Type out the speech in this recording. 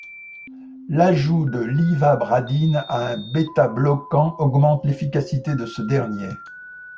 L'ajout de l'ivabradine à un bêtabloquant augmente l'efficacité de ce dernier.